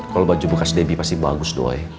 kalau baju buka se debbie pasti bagus do'eq